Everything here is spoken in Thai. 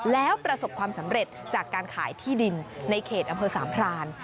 แล้วประสบความสำเร็จจากการขายที่ดินในเขตอำเภอสามพราน